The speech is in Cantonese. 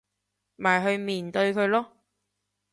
咪去面對佢囉